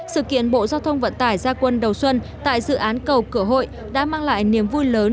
sự kiện bộ giao thông vận tải gia quân đầu xuân tại dự án cầu cửa hội đã mang lại niềm vui lớn